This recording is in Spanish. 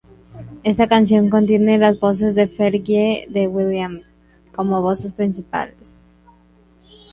Esta canción contiene las voces de Fergie y de Will.i.am, como voces principales.